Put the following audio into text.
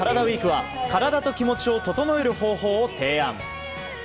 ＷＥＥＫは体と気持ちを整える方法を提案。